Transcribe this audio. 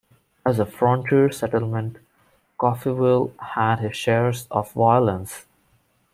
As a frontier settlement, Coffeyville had its share of violence.